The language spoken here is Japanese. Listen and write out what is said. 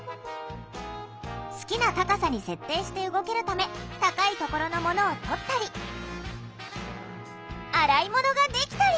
好きな高さに設定して動けるため高いところのものを取ったり洗い物ができたり。